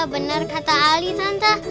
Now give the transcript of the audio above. benar kata ali tante